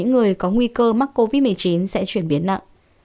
những người có nguy cơ mắc covid một mươi chín sẽ chuyển biến nặng